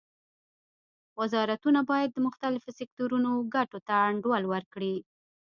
وزارتونه باید د مختلفو سکتورونو ګټو ته انډول ورکړي